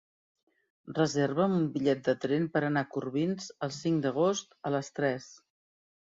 Reserva'm un bitllet de tren per anar a Corbins el cinc d'agost a les tres.